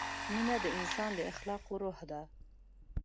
مینه د انسان د اخلاقو روح ده.